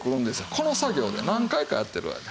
この作業で何回かやってる間に。